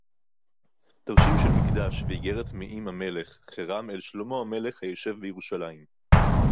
תַּרְשִׁים שֶׁל מִקְדָּשׁ וְאִגֶּרֶת מֵעִם הַמֶּלֶךְ חִירָם אֶל שְׁלֹמֹה הַמֶּלֶךְ הַיּוֹשֵׁב בִּירוּשָׁלַיִם